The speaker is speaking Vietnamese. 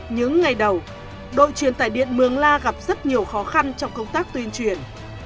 những ngày đầu đội truyền tải điện mường la gặp rất nhiều khó khăn trong công tác tuyên truyền